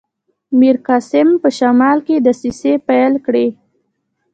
میرقاسم په شمال کې دسیسې پیل کړي.